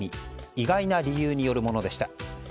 意外な理由によるものでした。